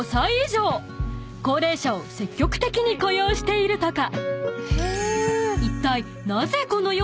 ［高齢者を積極的に雇用しているとか］